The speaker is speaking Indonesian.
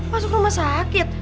masuk rumah sakit